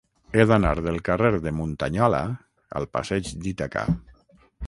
He d'anar del carrer de Muntanyola al passeig d'Ítaca.